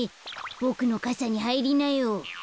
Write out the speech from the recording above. ボクのかさにはいりなよ。